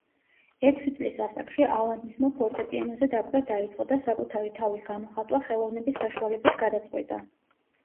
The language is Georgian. ექვსი წლის ასაკში, ალანისმა ფორტეპიანოზე დაკვრა დაიწყო და საკუთარი თავის გამოხატვა ხელოვნების საშუალებით გადაწყვიტა.